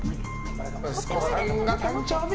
お子さんが誕生日。